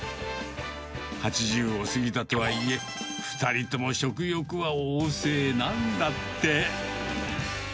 ８０を過ぎたとはいえ、２人とも食欲は旺盛なんだって。